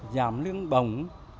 giảm lương bổng